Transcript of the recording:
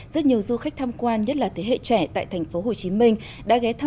rất nhiều du khách thăm quan nhất là thế hệ trẻ tại thành phố hồ chí minh